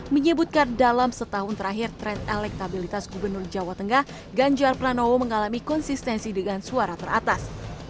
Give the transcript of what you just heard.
menyebutkan dalam setahun terakhir tren elektabilitas gubernur jawa tengah ganjar pranowo mengalami konsistensi dengan suara teratas